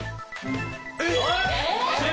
えっ！？